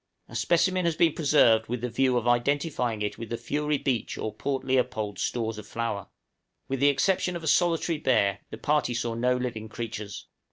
A specimen has been preserved with the view of identifying it with the Fury Beach or Port Leopold stores of flour. With the exception of a solitary bear, the party saw no living creatures.